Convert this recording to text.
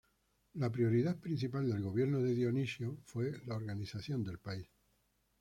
La prioridad principal del gobierno de Dionisio fue la organización del país.